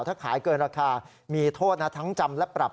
ถ้าขายเกินราคามีโทษนะทั้งจำและปรับ